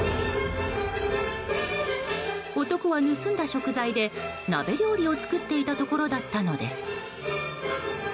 男は盗んだ食材で、鍋料理を作っていたところだったのです。